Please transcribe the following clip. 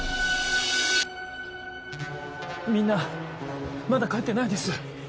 みんなまだ帰ってないです！